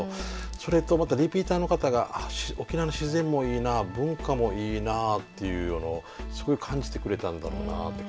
それとまたリピーターの方が沖縄の自然もいいな文化もいいなってすごい感じてくれたんだろうなって